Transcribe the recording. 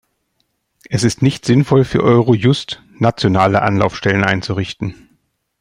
Es ist nicht sinnvoll für Eurojust, nationale Anlaufstellen einzurichten.